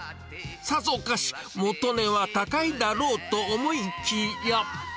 さぞかし元値は高いだろうと思いきや。